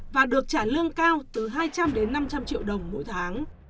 và được trả lương cao từ hai trăm linh đến năm trăm linh triệu đồng mỗi tháng